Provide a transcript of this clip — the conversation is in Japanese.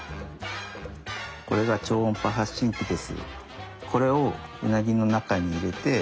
これが超音波発信機です。